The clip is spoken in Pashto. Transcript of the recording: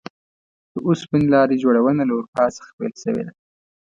د اوسپنې لارې جوړونه له اروپا څخه پیل شوې ده.